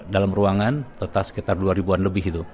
dalam ruangan tetap sekitar dua ribu an lebih itu